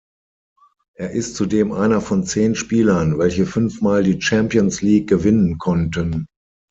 Er ist zudem einer von zehn Spielern, welche fünfmal die Champions League gewinnen konnten.